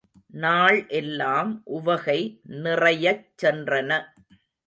நாள் எல்லாம் உவகை நிறையச் சென்றன.